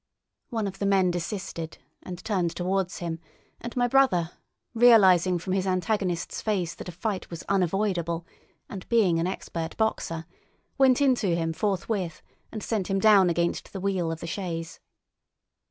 One of the men desisted and turned towards him, and my brother, realising from his antagonist's face that a fight was unavoidable, and being an expert boxer, went into him forthwith and sent him down against the wheel of the chaise.